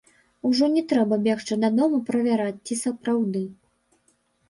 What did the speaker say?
Ужо не трэба бегчы дадому правяраць, ці сапраўды.